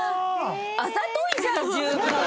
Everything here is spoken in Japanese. あざといじゃん十分！